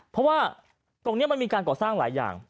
เพราะว่าตรงนี้มันมีการก่อสร้างหลายอย่าง